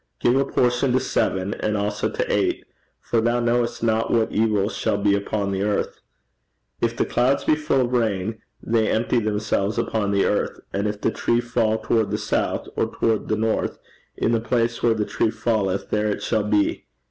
'Give a portion to seven, and also to eight; for thou knowest not what evil shall be upon the earth. 'If the clouds be full of rain, they empty themselves upon the earth: and if the tree fall toward the south, or toward the north, in the place where the tree falleth, there it shall be.